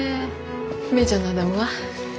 芽依ちゃんのアダムは？